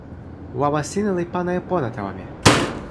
wawa sina li pana e pona tawa mi.